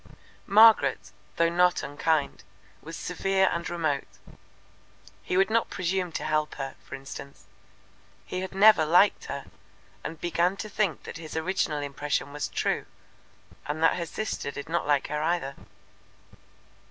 Margaret, though not unkind, was severe and remote. He would not presume to help her, for instance. He had never liked her, and began to think that his original impression was true, and that her sister did not like her either.